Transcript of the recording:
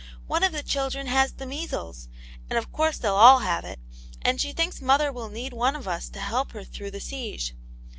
" One of the children has the measles, and of course they'll all have it. And she thinkd mother will need one of us to help her through the siege.